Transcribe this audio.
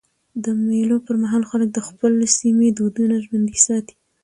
د مېلو پر مهال خلک د خپل سیمي دودونه ژوندي ساتي.